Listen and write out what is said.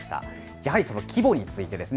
やはり、その規模についてです。